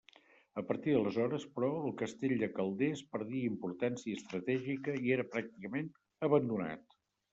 A partir d'aleshores, però, el castell de Calders perdia importància estratègica i era pràcticament abandonat.